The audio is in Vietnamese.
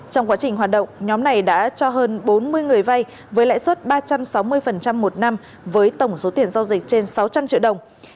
trong quá trình hoạt động nhóm này đã cho hơn bốn mươi người vay với lãi suất ba trăm sáu mươi một năm với tổng số tiền giao dịch trên sáu trăm linh triệu đồng